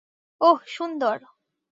ওহ, সুন্দর।